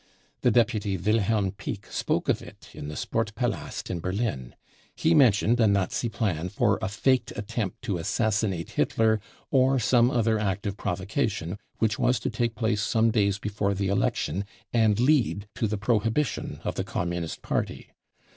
The deputy Wilhelm Pieck spoke of it in the Sportpalast in Berlin. He mentioned a Nazi plan for a faked attempt to assassinate Hitler or some other act of provocation which was to take place some days before election day and lead > to the prohibition of the Communist Party.